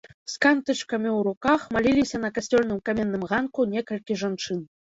З кантычкамі ў руках маліліся на касцельным каменным ганку некалькі жанчын.